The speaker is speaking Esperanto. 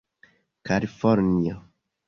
kalifornio